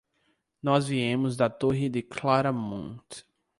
Nós viemos da Torre de Claramunt.